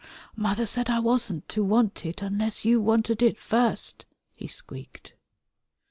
"Mother said I wasn't to want it unless you wanted it first," he squeaked.